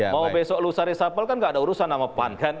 mau besok lusa resapel kan gak ada urusan sama pan kan